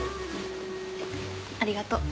ありがとう。